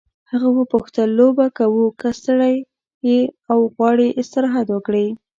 هغه وپوښتل لوبه کوو که ستړی یې او غواړې استراحت وکړې.